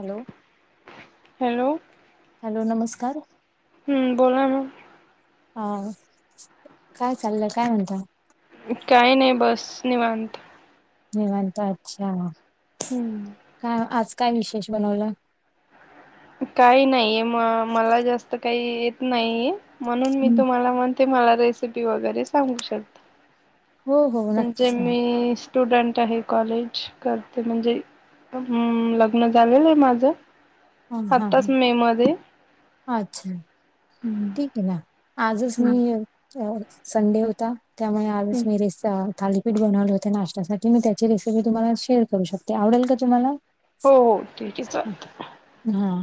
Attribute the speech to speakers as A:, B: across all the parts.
A: Hello.
B: Hello.
A: Hello नमस्कार.
B: हम्म. बोला ना?
A: हा. काय चाललंय काय म्हणता?
B: काही नाही बस निवांत.
A: निवांत अच्छा.
B: हम्म.
A: काय आज काय विशेष बनवलं?
B: काही नाहीे म मला जास्त काही येत नाहीे म्हणून मी तुम्हाला म्हण ते मला रेसिपी वगैरे सांगू शक
A: हो हो
B: म्हणजे
A: नक्कीच ना
B: मी स्टुडंट आहे कॉलेज करते म्हणजे हम्म. लग्न झालेलं आहे माझं.
A: हम्म हम्म.
B: मी मध्ये
A: अच्छा. ठीक आहे ना. आजच
B: हो
A: मी संडे होता त्यामुळे आजच मी रेस थालीपीठ बनवलं होतय नाष्टासाठी मी त्याची रेसिपी तुम्हाला शेअर करू शकते, आवडेल का तुम्हाला?
B: हो ठीक आहे चालत
A: हा.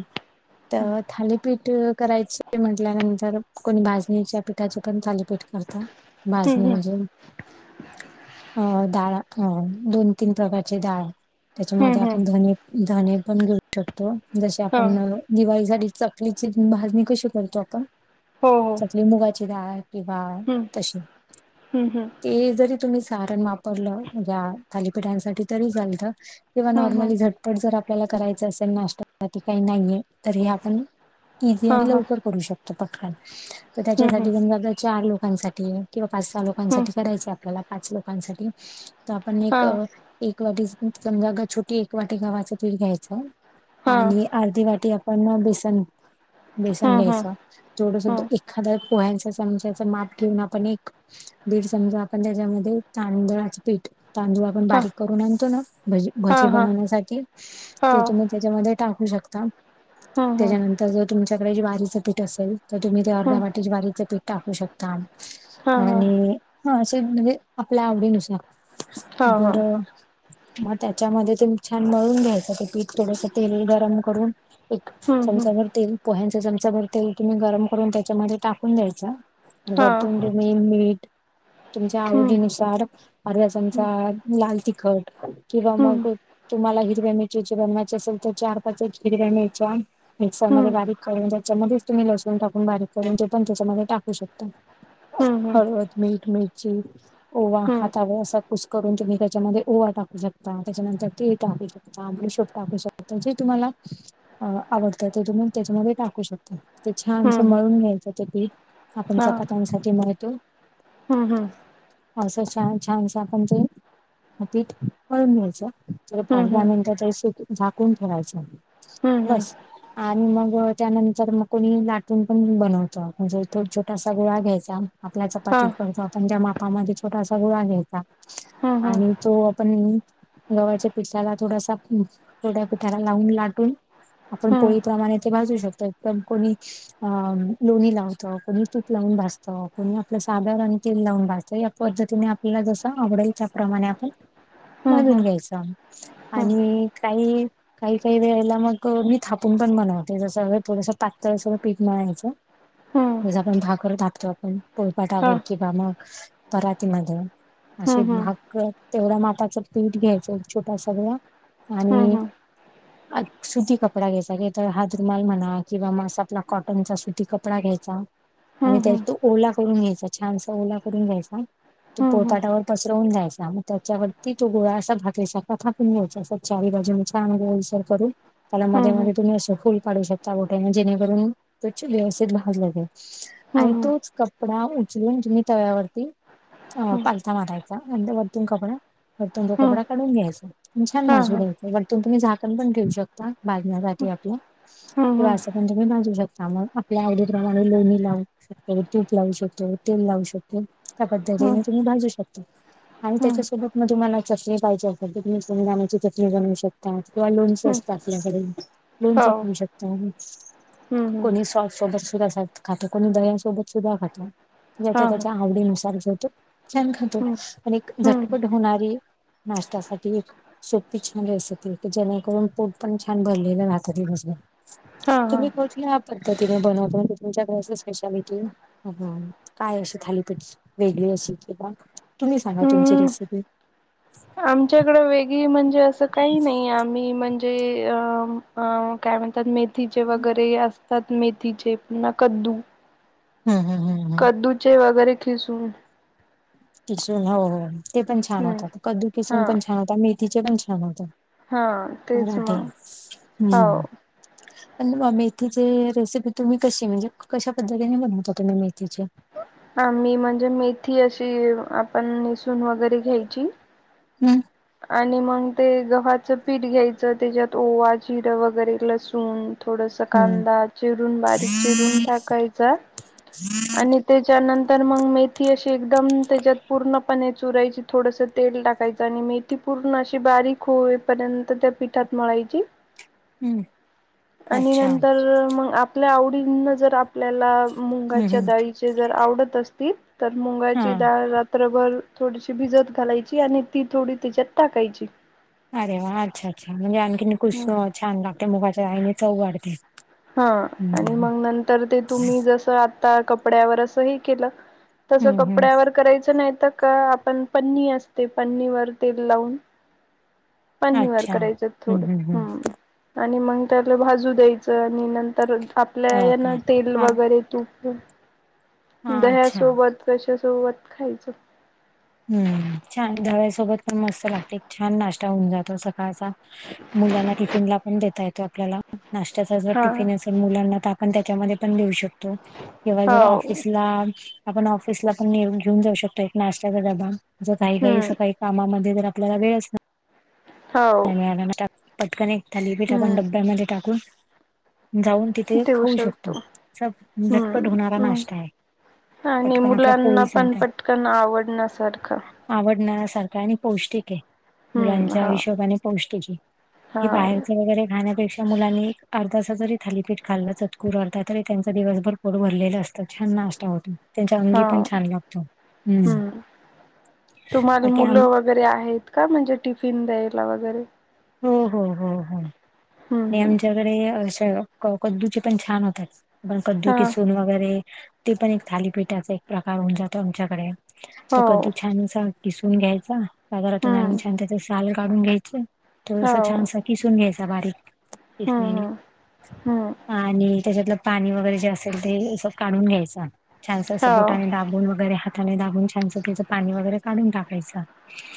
A: तर थाली पीठ करायच म्हटल्यानंतर कोणी भाजणीच्या पीठाचे पण थालीपीठ करत. भाजणी
B: हम्म
A: म्हणजे? अ डाळ अ दोन, तीन प्रकारचे डाळ त्याच्यामध्ये
B: हम्म हम्म
A: आपण धने धणे पण घेऊन ठेवतो जसे
B: हा
A: आपण दिवाळीसाठी चकलीची भाजणी कशी करतो आपण?
B: हो हो
A: चकली मुगाची डाळ किंवा
B: हम्म
A: तशी
B: हम्म
A: ते जरी तुम्ही सारण वापरलं त्या थालीपिठांसाठी तरी चालतं किंवा
B: हम्म हम्म हम्म
A: नॉर्मली तिखट जर आपल्याला करायचं असेल नाष्टासाठी काही नाहीय तरी हे आपण इझी
B: हा
A: आणि
B: हा
A: लवकर करू शकतो पटकन तर
B: हम्म हम्म
A: त्याच्यासाठी समजा चार लोकांसाठी किंवा पाच, सहा
B: हम्म
A: लोकांसाठी करायच आपल्याला पाच लोकांसाठी तर आपण
B: हा
A: एक एक वाटी समजा अग छोटी एक वाटी गव्हाच पीठ घ्यायचं
B: हा
A: आणि अर्धी वाटी पण बेसन बेसन
B: हम्म
A: घ्यायच
B: हम्म
A: थोडसच
B: हं
A: एखाद्या पोह्यांचा चमचा माप घेऊन आपण एक दीड चमचा आपण त्याच्यामध्ये तांदळाच पीठ, तांदूळ
B: हां
A: बारीक करून आणतो ना भजी भजी
B: हां हां
A: बनवण्यासाठी
B: हां
A: तेच्या त्याच्यामध्ये टाकू शकता.
B: हं हं
A: त्याच्यानंतर जर तुमच्याकडे ज्वारीच पीठ असेल तर तुम्ही ते अर्ध्या
B: हं
A: वाटीचे ज्वारीच पीठ टाकू शकता
B: हां हां
A: आणि हा असं म्हणजे आपल्या आवडीनुसार
B: हां हां
A: जर मग त्याच्यामध्ये तुम्ही छान मळून घ्यायचं ते पीठ थोडस तेल गरम करून. एक
B: हं हं
A: चमचा भर तेल पोह्यांचा चमचा भर तेल तुम्ही गरम करून त्याच्यामध्ये टाकून द्यायच
B: हां
A: वरतून तुम्ही मीठ तुमच्या
B: हं
A: आवडीनुसार अर्धा
B: हं
A: चमचा लाल तिखट किंवा
B: हं
A: मग तुम्हाला हिरव्या मि चची बनवायची असेल तर चार, पाच हिरव्या मिरच्या मिक्सर मध्ये
B: हं
A: बारीक करून त्याच्यामध्ये तुम्ही लसूण टाकून बारीक करून ते पण त्याच्यामध्ये टाकू शकता.
B: हं
A: हळद, मीठ, मिरची ओवा
B: हं
A: हातावर असा कूसकरून तुम्ही त्याच्यामध्ये ओवा टाकू शकता, त्याच्यानंतर तीळ टाकू शक. [unintelligible] टाकू शकता जे तुम्हाला आवडतं ते तुम्ही त्याच्यामध्ये टाकू शकता. ते
B: हं
A: छान अस
B: हं हं
A: मळून घ्यायचं ते पीठ आपण
B: हां
A: चपात्यांसाठी मळतो
B: हं हं
A: असं छान छानस आपण तेे ह पीठ पळून घ्यायचं ज
B: हं
A: पाच, दहा
B: हं
A: मिनिट तरी सुक झाकून ठेवायचं आहे
B: हं हं
A: बस आणि मग त्यानंतर म कोणी लाटून पण बनवत म्हणजे एकदम छोटासा गोळा घ्यायचा आपल्या
B: हां
A: चपाती करतो आपण ज्या बा्पामध्ये छोटासा गुळा घ्यायचा
B: हं हं
A: आणि तो आपण गवळच्या पिठाला थोडासा ोट्या पिठाला लावून लाटून आपण
B: हं
A: पोळीप्रमाणे ते भाजू शकतोदण कोणी अ लोणी लावत कोणी तूप लावून भासतं कोणी आपलं साधवर आणि तेल लावून भासतं पद्धतीने आपल्याला जस आवडेल त्याप्रमाणे आपण
B: हं हं हं
A: मधून
B: हं
A: घ्यायच
B: हां
A: आणि काही काही काही वेळेला मग मी थापून पण बनवते जस व पुरस त त्या सोबत पीट मळायचं ज आपण भाकरर [unintelligible] टाकतो आपण पोयपाटावर किंवा मग पराती मध्ये असे
B: हं हं
A: भाग तेवढ्या मापाचं पीठ घ्यायचं छोटासा गोळा
B: हं हं
A: आणि
B: हं हं हं हं हं हं
A: [unintelligible] सुती कपडा घ्यायचा तर हात रमाल म्हणा किंवा म आपला [unintelligible] कॉटनचा सुती कपडा घ्यायचा आणि त्यात तो ओला करून घ्यायचा छानसा ओला करून घ्यायचा तो पोरपाटावर पसरवून जा्यायचा मग त्याच्यावरती तो गोळा असा भाकरीसारखा का अस चारी भाजी म छान ओलसर करून त्याला मध्ये मध्ये तुम्ही अस फुल काढू शकता गोठ्या [unintelligible] जेणेकरून त व्यवस्थित भाजल गेल
B: हं हं
A: आणि
B: हं
A: तोच
B: हं
A: क कपडा उचलून तुम्ही तव्यावरती पालता माराय वरतून कपडा वरतून तो कपडा काढून घ्यायचा छान
B: हां
A: बाजू
B: हां
A: घ्यायच वरतून तुम्ही झाकण पण ठेऊ शकता भाजण्यासाठी आपलं
B: ह
A: [unintelligible]
B: हा
A: भाजु शकता मग आपल्या आवडीप्रमाणे लोणी लावून तूप लावू शकतो तेल लावू शकतो त्या
B: हं हं
A: पद्धतीने तुम्ही भाजू शकता आणि
B: हं
A: त्याच्यासोबत म [unintelligible] तुम्हाला चचणी पाहिज असेल तुम्ही कोमी दमाची चटणी बनउ शकता किंवा लोन्स असतात आपल्याकडे लोनच
B: हो
A: करू शकता
B: हं हं
A: कोणी सॉर [unintelligible] सुधा असात खातो कोणी दयासोबत सुद्धा खाता ज्याच्या
B: हां हां
A: त्याच्या आवडीनुसार ज्युतो छान खातो
B: हं
A: पण एक
B: हम्म
A: झटपट होणारी नाश्त्यासाठी एक सोपी छान दिसते जेणेकरून पोट पण छान भरलेलं राहत दिवसभर
B: हा हा
A: तुम्ही कठली ह्या पद्धतीने बनवता म्हणज [unintelligible] तुमच्याकच स्पेशालिटी ह काय अशी थालीपीठ वेगळी अशी कि ब तुम्ही सांगा तुमची
B: हम्म
A: रेसिपी
B: आमच्याकडे वेगळी म्हणजे असं काही नाही आम्ही म्हणजे अ काय म्हणतात मे मथीचे वगैरे असतात मेथीचे पुन्हा कद्दू
A: हम हम हं ह
B: कद्दूचे वगैरे खिसून
A: किसून हो हो ते पण छान
B: हम्म
A: होतात कद्दू
B: हा
A: किसून पण छान होता मेथीचे पण छान होतात
B: हा तेच
A: होटे
B: मग
A: [unintelligible]
B: हो
A: हम्म प [unintelligible] मेथीची रेसिपी तुम्ही कशी म्हणजे कशा पद्धतीने बनवता तुम्ही मेथीची
B: हा मी म्हणजे मेथी अशी आपण नेसून वगैरे घ्यायची
A: हम्
B: आणि मग ते गव्हाचं पीठ घ्यायचं त्याच्यात ओवा जिरं वगैरे लसूून थोडस
A: हम्म
B: कांदा चिरून बारीक चिरून टाकायचा आणि त्याच्यानंतर मग मेथी अशी एकदम त्याच्यात पूर्णपणे चुरायची थोडस तेल टाकायचं आणि मीठ ती पूर्ण अशी बारीक होईपर्यंत त्या पिठात मळायची
A: हम्म.
B: आणि
A: अच्छा
B: नंतर मग आपल्या आवडींना जर आपल्याला
A: हम्म
B: मुंगाच्या
A: हम्म
B: डाळीचे जर आवडत असतील तर मुंगाची
A: हा
B: डाळ रात्रभर थोडीशी भिजत घालायची आणि ती थोडी त्याच्यात टाकायची
A: अरे वा अच्छा अच्छा म्हणजे आणखीन कुस छान लागते मुगाच्या चव वाढते
B: हा
A: हम्म
B: आणि मग नंतर ते तुम्ही जस आता कपड्यावर असं ही केलं तसं
A: हम्म हम्म
B: कपड्यावर करायचं नाही तर का आपण पन्नी असते पन्नीवर तेल लावून पन्नीवर करायचं थोडं हम्म आणि मग त्याला भाजू द्यायचं आणि नंतर
A: हो का
B: लाह्यांना तेल
A: हा
B: वगैरे तूप
A: हा अच्छा
B: दह्यासोबत कश्यासोबत खायचं.
A: हम्म छान दह्यासोबत पण मस्त लागते छान नाश्ता होऊन जातो सकाळचा. मुलांना टिफिन ला पण देता येतो आपल्याला. नाश्त्याचा जर
B: हा
A: टिफिन असेल मुलांना तर आपण त्याच्यामध्ये पण देऊ शक तो किंवा जर
B: हो
A: ऑफिसला आपण ऑफिसला पण येऊन घेऊन जाऊ शकतो कड डबा जर घाई घाई
B: हम्म
A: सकाळी कामामध्ये जर आपल्याला वेळ
B: हो
A: आता पटकन एक थालीपीठ आपण
B: हम्म
A: डब्यामध्ये टाकून जाऊन तिथे खाऊ शकतो झटपट होणारा
B: हम्म
A: नाश्ता आहे पटकन आपला पोळी सारखा
B: त्यांना आवडण्यासारखं
A: आवडणासारखा आणि पौष्टिक आहे
B: हं,
A: मुलांच्या
B: हां,
A: हिशोबाने पौष्टिकी आहे हे
B: हां,
A: बाहेरचे वगैरे खाण्यापेक्षा मुलांनी एक अर्धासा जरी थालीपीठ खाल्लं चटकूर अर्धा तरी त्यांच दिवसभर पोट भरलेलं अस छान नाश्ता होतो त्यांच्या अंगी पण
B: हां,
A: छान लागतो हम्म.
B: हं. तुम्हाला
A: ते आम
B: मुलं वगैरे आहेत का म्हणजे टिफिन द्यायला वगैरे?
A: हो हो हो हो
B: हं,
A: आणि
B: हं.
A: आमच्याकडे श क कद्दूचे पण छान होतात पण कद्दू
B: हां.
A: किसून वगैरे ते पण एक थालीपीठाचा एक प्रकार होऊन जातो आमच्याकडे ते
B: हो.
A: कद्दू छान अस किसून घ्यायचा बाजारातून आणून
B: हं.
A: छान त्याच साल काढून घ्यायचे तो अस
B: हो.
A: छान किसून घ्यायचा बारीक किसनी
B: हं,
A: ने
B: हं. हं.
A: आणि त्याच्यातलं पाणी वगैरे जे असेल ते असं काढून घ्यायचं छान अस
B: हो.
A: बोटाने दाबून दाबून वगैरे हाताने दाबुश छानस त्याचं पाणी वगैरे काढून टाकायचं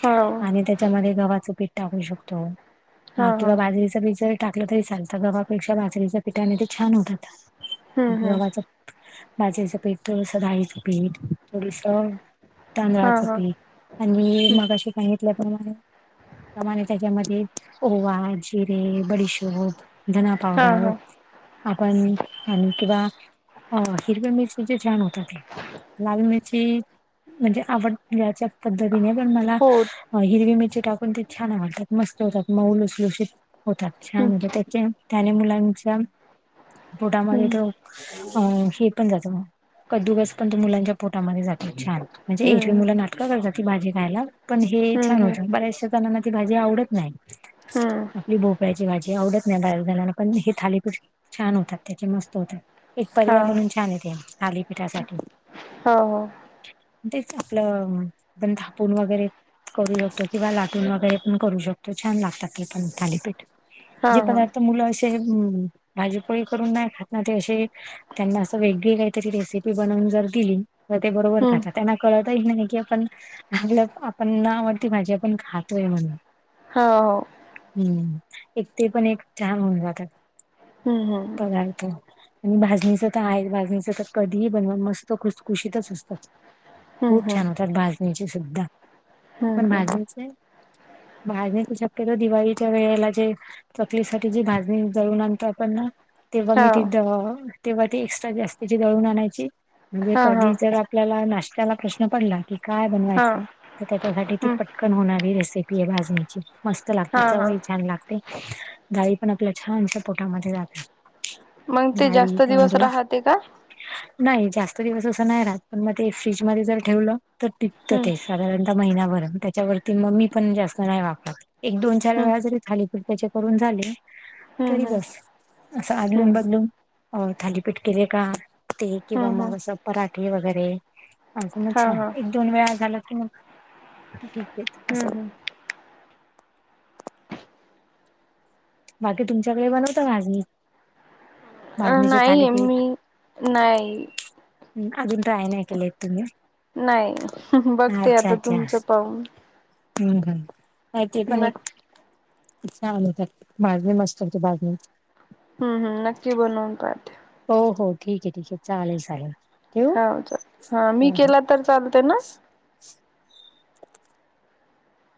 B: हो.
A: आणि त्याच्यामध्ये गव्हाचं पीठ टाकू शकतो हा
B: हां,
A: किंवा
B: हां.
A: बाजरीच पीठ जर टाकलं तरी चालत गव्हापेक्षा बाजरीच्या पिठाने ते छान होतात
B: हं, हं.
A: गव्हाचा भाजयचं पीठ थोडसं राईचं पीठ थोडस तांदळाच
B: हां, हां.
A: पीठ आणि
B: हं.
A: मगाशी सांगितल्याप्रमाणे प्रमाणे त्याच्यामध्ये ओवा जिरे बडीशोप धना
B: हां,
A: पावडर
B: हां.
A: आपण आणि किंवा हिरव्या मिरची चे छान होतात लाल मिरची म्हणजे आवड याच्या पद्धतीने पण मला
B: हो.
A: हिरवी मिरची टाकून ते छान आवडतात मस्त होतात मऊ ल उसलुशीत होतात
B: हं,
A: छान होत त्याचे त्याने मुलांच्या पोटामध्ये
B: हं.
A: त अं हे पण जात कद्दुकस पण तो मुलांच्या पोटामध्ये जातो छान म्हणजे एकेक
B: हं.
A: मुलं नाटकं करतात ती भाजी खायला पण हे
B: हं,
A: छान
B: हं.
A: होतं बऱ्याचशा जणांना ती भाजी आवडत नाही
B: हम्म
A: आपली भोपळ्याची भाजी आवडत नाही बाहेर जाताना पण हे थालीपीठ छान होतात त्याचे मस्त होतात एक पर्याय
B: हां.
A: म्हणून छान येते थालीपीठासाठी
B: हो हो
A: तेच आपलं पण थापून वगैरे करू शकतो किंवा लाटून वगैरे पण करू शकतो छान लागतात की पण थालीपीठ
B: हां,
A: जे
B: हां.
A: पदार्थ मुलं असे भाजीपोळी करून नाही खात ना ते असे त्यांना असं वेगळी काहीतरी रेसिपी बनवून जर दिली ते बरोबर
B: हं.
A: खातात त्यांना कळतही नाही की आपण आपण ना आवडती भाजी आपण खातोय म्हणून
B: हो हो
A: हम्म एक ते पण एक छान होऊन जातात
B: हं, हं.
A: पदार्थ आणि भाजणीचं तर आहे भाजणीच तर कधीही बनवा मस्त खुसखुशीतच असतात
B: हं,
A: खूप
B: हं.
A: छान होतात भाजणीचे सुद्धा.
B: हं,
A: पण
B: हं.
A: भाजीच का? भाजण्याची शक्यता दिवाळीच्या वेळेला. चकलीसाठी जे भाजणी जळत आपण ना तेव्हा मिट
B: हो.
A: तेव्हा ती एक्स्ट्रा जास्तीची दळून आणायची म्हणजे
B: हा हा
A: कधी जर आपल्याला नाश्त्याला प्रश्न पडला. कि काय
B: हा
A: बनवायचं तर त्याच्यासाठी ती
B: हम्म
A: पटकन होणारी रेसिपी आहे भाजण्याची. मस्त लागते
B: हा हा
A: चवय छान लागते.
B: [unintelligible]
A: डाळी पण आपल्या छानच्या पोटामध्ये जाते.
B: मग ते जास्त दिवस राहते का.
A: [unintelligible] नाही जास्त दिवस असं नाही राहत पण मग ते फ्रीज मध्ये जर ठेवलं तर टिकपतं
B: हम्म
A: ते साधारणतः महिनाभर. त्याच्यावरती मग मी पण जास्त नाही वापरत एक-दोन-चार
B: हम्म
A: वेळा जरी झाली पीट त्याच्या करून झाले. तरी
B: हम्म हम्म
A: बस असं आदलून
B: हम्म
A: बदलून. अ थालीपीठ केले का ते किंवा
B: हम्म हम्म
A: मग असं पराठे वगैरे. अस मग
B: हा
A: छान
B: हा
A: एक-दोन वेळा झाला की मग ठीक आहे.
B: हा
A: असं
B: हा.
A: बाकी तुमच्याकडे बनवत भाजणी.
B: अ
A: भाजणीचे
B: नाही आम्ही
A: थालीपीठ
B: नाही.
A: हम् अन रायन याकलाय त मी.
B: नाही बघते आता तुमचं पाहून‌.
A: हम्म हम् हा ती पण एक.
B: नक्की
A: छान होतात माजणी मस्त होते भाजणी.
B: हम्म हम् नक्की बनवून पाहते.
A: हो हो ठीक आहे ठीक आहे चालेल चालेल. ठेवू?
B: हो चाल, हा मी
A: हं.
B: केला तर चालते ना.